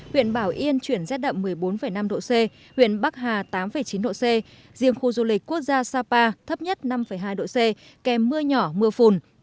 huyện bảo yên chuyển rét đậm một mươi bốn năm độ c huyện bắc hà tám chín độ c riêng khu du lịch quốc gia sapa thấp nhất năm hai độ c kèm mưa nhỏ mưa phùn